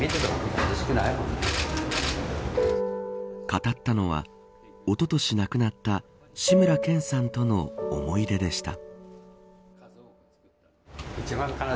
語ったのはおととし亡くなった志村けんさんとの思い出でした。